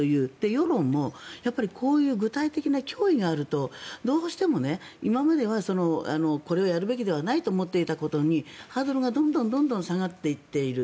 世論もこういう具体的な脅威があるとどうしても今まではこれをやるべきではないと思っていたことにハードルがどんどん下がっていっている。